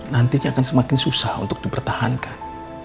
nantinya akan semakin susah untuk dipertahankan